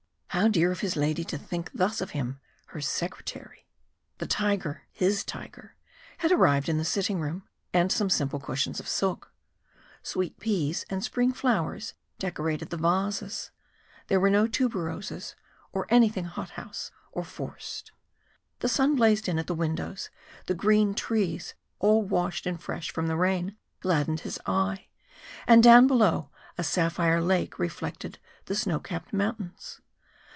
How dear of his lady to think thus of him! her secretary. The tiger his tiger had arrived in the sitting room, and some simple cushions of silk; sweet peas and spring flowers decorated the vases there were no tuberoses, or anything hot house, or forced. The sun blazed in at the windows, the green trees all washed and fresh from the rain gladdened his eye, and down below, a sapphire lake reflected the snow capped mountains.